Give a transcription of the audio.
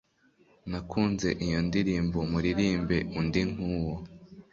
Nakunze iyo ndirimbo Muririmbe undi nkuwo